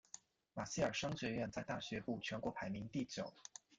马歇尔商学院在大学部全国排名第九。